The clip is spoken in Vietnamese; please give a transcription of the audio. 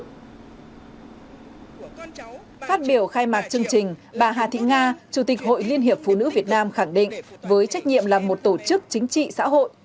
phát biểu khai mạc chương trình bà hà thị nga chủ tịch hội liên hiệp phụ nữ việt nam khẳng định với trách nhiệm là một tổ chức chính trị xã hội